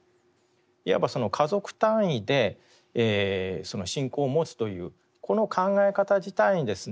いわばその家族単位で信仰を持つというこの考え方自体にですね